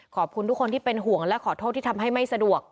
ขอบคุณทุกคนที่เป็นห่วงและขอโทษที่ทำให้ไม่สะดวก